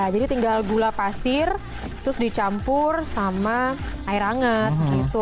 jadi tinggal gula pasir terus dicampur sama air hangat gitu